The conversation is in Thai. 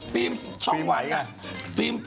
ฟิล์มช่องหวัดนะ